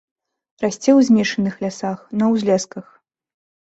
Расце ў змешаных лясах, на ўзлесках.